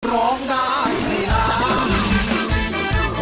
ร้องได้ให้ล้าน